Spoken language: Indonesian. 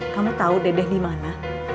kamu tahu dedeh dimana